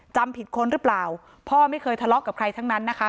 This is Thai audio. จำผิดคนหรือเปล่าพ่อไม่เคยทะเลาะกับใครทั้งนั้นนะคะ